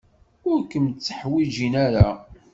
Ur kem-tteḥwijin ara.